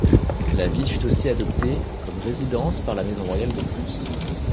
La ville fut aussi adoptée comme résidence par la maison royale de Prusse.